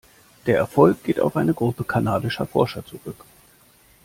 Der Erfolg geht auf eine Gruppe kanadischer Forscher zurück.